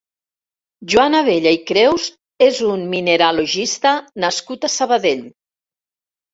Joan Abella i Creus és un mineralogista nascut a Sabadell.